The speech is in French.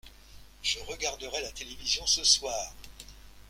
Je regarderai la télévision ce soir.